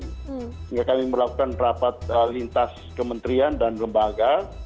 sehingga kami melakukan rapat lintas kementerian dan lembaga